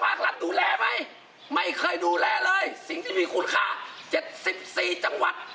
ภาครัฐดูแลไหมไม่เคยดูแลเลยสิ่งที่มีคุณค่าเจ็ดสิบสี่จังหวัด